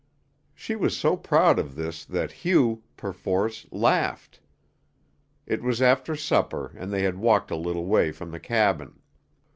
She was so proud of this that Hugh, perforce, laughed. It was after supper, and they had walked a little way from the cabin.